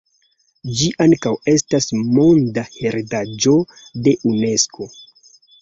Ĝi ankaŭ estas Monda heredaĵo de Unesko.